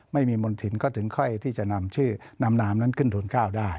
ไม่มีมณฑินก็ถึงค่อยที่จะนำชื่อนำนามนั้นขึ้นทุน๙ได้